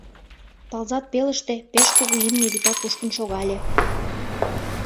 Тылзат пелыште пеш кугу имне вӱта кушкын шогале.